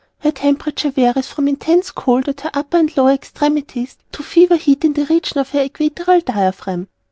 Her Temperature varies from intense cold at her upper and lower extremities to fever heat in the region of her equatorial diaphragm.